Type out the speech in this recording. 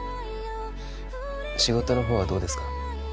仕事のほうはどうですか？